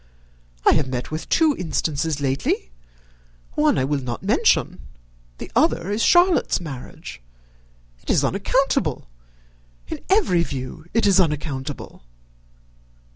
I have met with two instances lately: one I will not mention, the other is Charlotte's marriage. It is unaccountable! in every view it is unaccountable!"